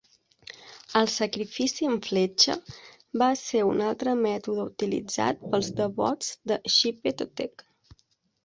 El "Sacrifici amb fletxa" va ser un altre mètode utilitzat pels devots de Xipe Totec.